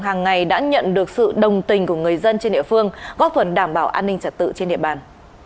hàng ngày đã nhận được sự đồng tình của người dân trên địa phương góp phần đảm bảo an ninh trật tự trên địa bàn